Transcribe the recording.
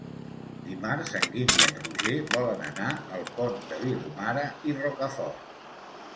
Dimarts en Guim i en Roger volen anar al Pont de Vilomara i Rocafort.